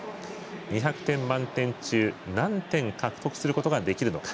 ２００点満点中何点獲得することができるのか。